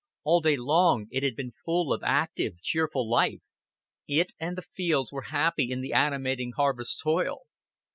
All day long it had been full of active cheerful life. It and the fields were happy in the animating harvest toil.